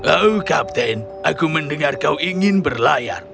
oh kapten aku mendengar kau ingin berlayar